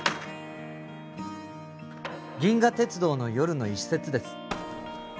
「銀河鉄道の夜」の一節です